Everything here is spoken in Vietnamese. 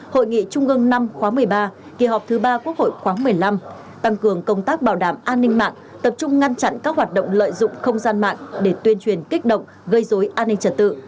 hội nghị trung ương năm khóa một mươi ba kỳ họp thứ ba quốc hội khoáng một mươi năm tăng cường công tác bảo đảm an ninh mạng tập trung ngăn chặn các hoạt động lợi dụng không gian mạng để tuyên truyền kích động gây dối an ninh trật tự